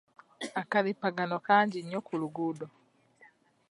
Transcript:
Akalippagano kangi nnyo ku luguudo.